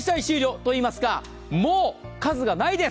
といいますか、もう数がないです。